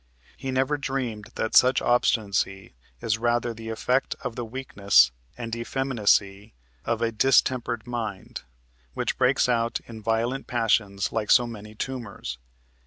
"He never dreamed that such obstinacy is rather the effect of the weakness and effeminacy of a distempered mind, which breaks out in violent passions like so many tumors."